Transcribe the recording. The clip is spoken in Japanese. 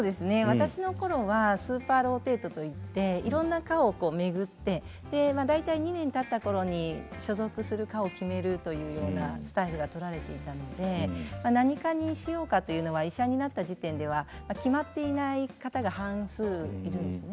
私の頃はスーパーローテートといっていろんな科をこう巡ってでまあ大体２年たった頃に所属する科を決めるというようなスタイルが取られていたので何科にしようかというのは医者になった時点では決まっていない方が半数いるんですね。